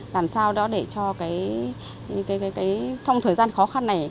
làm sao đó để cho trong thời gian khó khăn này